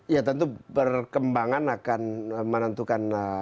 ya tentu perkembangan akan menentukan